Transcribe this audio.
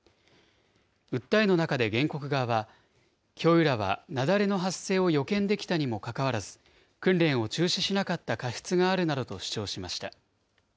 訴えの中で原告側は、教諭らは雪崩の発生を予見できたにもかかわらず、訓練を中止しなかった過失があるなどと主張しました。